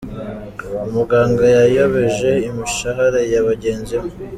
Umuganga yayobeje imishahara ya bagenzi be